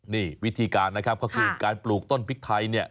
นี่วิธีการก็คือการปลูกต้นพริกไทย